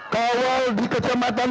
kawal di kecematan